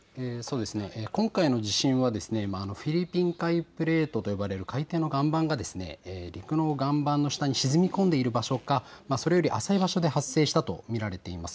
今回の地震はフィリピン海プレートと呼ばれる海底の岩盤が陸の岩盤の下に沈み込んでいる場所かそれより浅い場所で発生したと見られています。